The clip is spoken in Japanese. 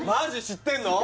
知ってんの？